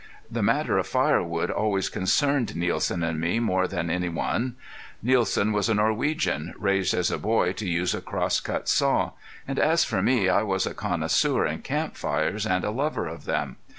The matter of firewood always concerned Nielsen and me more than any one. Nielsen was a Norwegian, raised as a boy to use a crosscut saw; and as for me I was a connoisseur in camp fires and a lover of them.